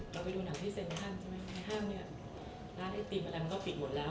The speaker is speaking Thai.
เราไปดูหนังมันร้านไอติมเตั๊มก็ปิดหมดแล้ว